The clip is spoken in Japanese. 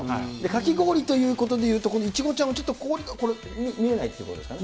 かき氷というところでいうと、いちごちゃんは氷が見えないっていうことですか？